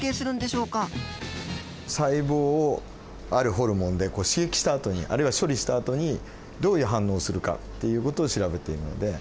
細胞をあるホルモンで刺激したあとにあるいは処理したあとにどういう反応をするかっていう事を調べているので。